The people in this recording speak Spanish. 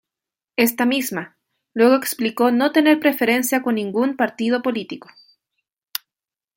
Esta misma, luego explicó no tener preferencia con ningún partido político.